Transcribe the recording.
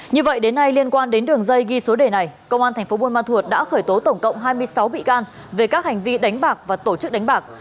như vậy đến nay liên quan đến đường dây ghi số đề này công an tp buôn ma thuột đã khởi tố tổng cộng hai mươi sáu bị can về các hành vi đánh bạc và tổ chức đánh bạc